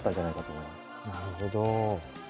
なるほど。